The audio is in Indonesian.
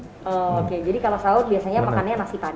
oke jadi kalau sahur biasanya makannya nasi padang